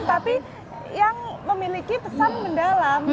tapi yang memiliki pesan mendalam